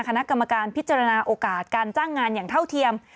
คณะกรรมการพิจารณาโอกาสการจ้างงานอย่างเท่าเทียม